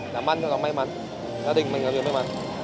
làm ăn là cầu may mắn gia đình mình là người may mắn